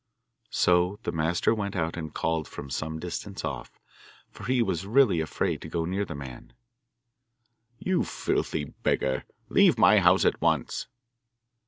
So the master went out and called from some distance off, for he was really afraid to go near the man, 'You filthy beggar, leave my house at once!